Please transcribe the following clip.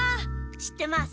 知ってます。